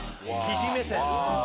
生地目線。